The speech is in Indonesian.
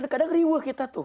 dan kadang riwa kita tuh